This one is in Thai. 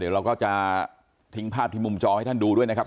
เดี๋ยวเราก็จะทิ้งภาพที่มุมจอให้ท่านดูด้วยนะครับ